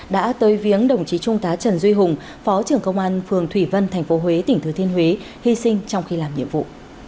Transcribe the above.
đã tới viếng đồng chí trung tá trần duy hùng phó trưởng công an phường thủy vân tp huế tỉnh thừa thiên huế hy sinh trong khi làm nhiệm vụ